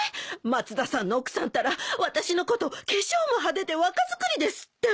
松田さんの奥さんったら私のこと化粧も派手で若作りですって。